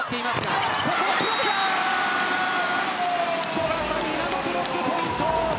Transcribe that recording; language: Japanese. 古賀のブロックポイント。